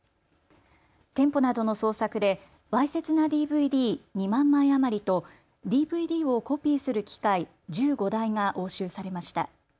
店舗などの捜索でわいせつなＤＶＤ、２万枚余りとＤＶＤをコピーする機械１５台が押収されました。